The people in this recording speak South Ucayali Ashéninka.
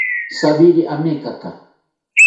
Jawiri amekaka